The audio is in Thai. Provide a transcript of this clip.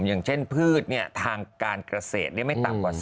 อย่างเช่นพืชเนี่ยทางการเกษตรเนี่ยไม่ต่ำกว่า๑๐